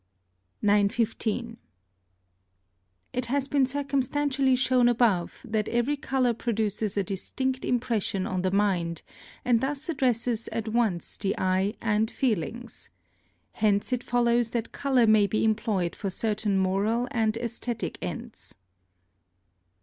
915. It has been circumstantially shown above, that every colour produces a distinct impression on the mind, and thus addresses at once the eye and feelings. Hence it follows that colour may be employed for certain moral and æsthetic ends.